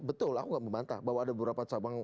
betul aku gak memantah bahwa ada beberapa cabang